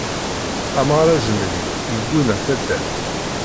Amɣar azemni yegguna taddart.